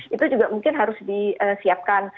itu juga mungkin harus disiapkan